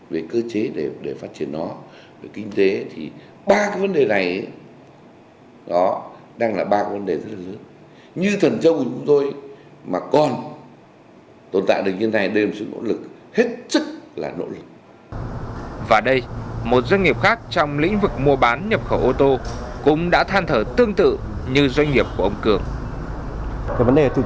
và đây một doanh nghiệp khác trong lĩnh vực mua bán nhập khẩu ô tô cũng đã than thở tương tự như doanh nghiệp của ông cường